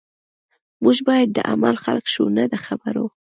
موږ باید د عمل خلک شو نه د خبرو